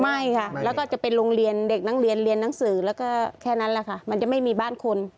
ไม่ค่ะแล้วก็จะเป็นโรงเรียนเด็กนักเรียนเรียนหนังสือแล้วก็แค่นั้นแหละค่ะมันจะไม่มีบ้านคน